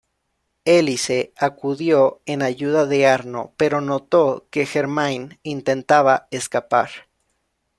Élise acudió en ayuda de Arno, pero notó que Germain intentaba escapar.